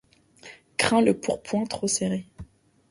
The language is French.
Crains le pourpoint trop serré